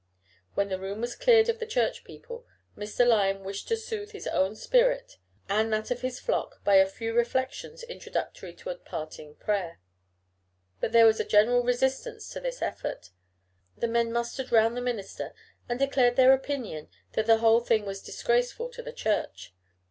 When the room was cleared of the Church people, Mr. Lyon wished to soothe his own spirit and that of his flock by a few reflections introductory to a parting prayer. But there was a general resistance to this effort. The men mustered round the minister and declared their opinion that the whole thing was disgraceful to the Church.